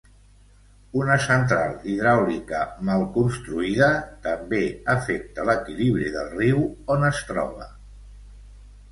Una central hidràulica mal construïda també afecta l'equilibri del riu on es troba.